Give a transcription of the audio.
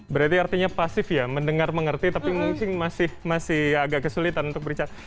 berarti artinya pasif ya mendengar mengerti tapi mungkin masih agak kesulitan untuk berbicara